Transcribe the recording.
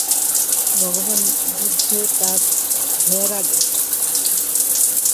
ভগবান বুদ্ধ তার ঢের আগে।